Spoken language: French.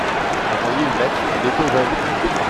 envoyer une lettre à Beethoven.